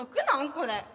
これ。